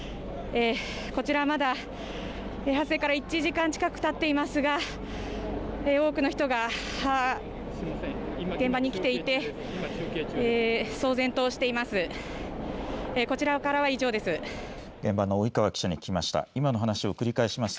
こちら、まだ発生から１時間近くたっていますが多くの人が現場に来ていて騒然としています。